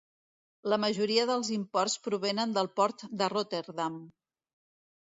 La majoria dels imports provenen del port de Rotterdam.